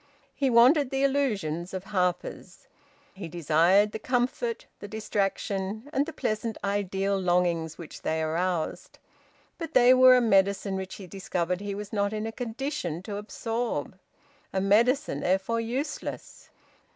He wanted the illusions of "Harper's." He desired the comfort, the distraction, and the pleasant ideal longings which they aroused. But they were a medicine which he discovered he was not in a condition to absorb, a medicine therefore useless.